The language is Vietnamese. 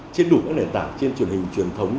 trên đủ các nền tảng trên truyền hình truyền thống